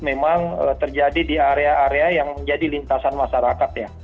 memang terjadi di area area yang menjadi lintasan masalah